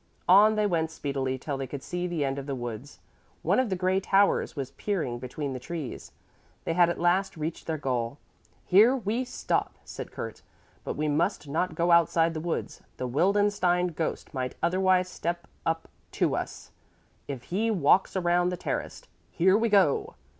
On they went speedily till they could see the end of the woods. One of the gray towers was peering between the trees. They had at last reached their goal. "Here we stop!" said Kurt, "but we must not go outside the woods. The Wildenstein ghost might otherwise step up to us, if he walks around the terrace. Here we go!"